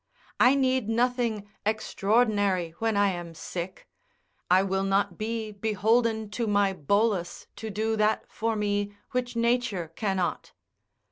I need nothing extraordinary when I am sick. I will not be beholden to my bolus to do that for me which nature cannot.